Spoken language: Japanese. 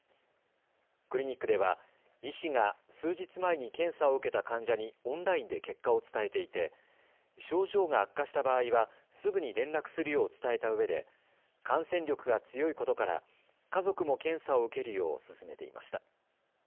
クリニックでは医師が数日前に検査を受けた患者にオンラインで結果を伝えていて症状が悪化した場合はすぐに連絡するよう伝えたうえで感染力が強いことから家族も検査を受けるよう勧めていました。